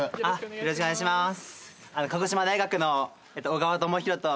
よろしくお願いします。